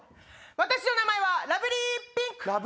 私の名前はラブリーピンク。